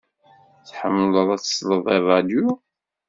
Tḥemmled ad tesled i ṛṛadyu?